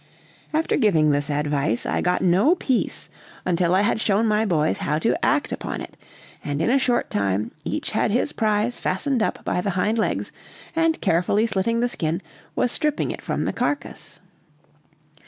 After giving this advice, I got no peace until I had shown my boys how to act upon it, and in a short time each had his prize fastened up by the hind legs, and carefully slitting the skin, was stripping it from the carcass.